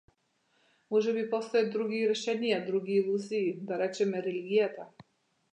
Можеби постојат и други решенија, други илузии, да речеме религијата.